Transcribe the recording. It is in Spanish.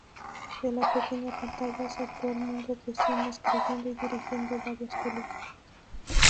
De la pequeña pantalla saltó al mundo del cine escribiendo y dirigiendo varias películas.